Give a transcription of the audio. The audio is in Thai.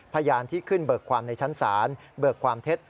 พยานที่ขึ้นเบิกความในชั้นศาลเบิกความเท็จ